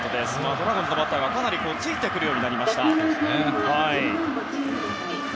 ドラゴンズのバッターがかなりついてくるようになりました。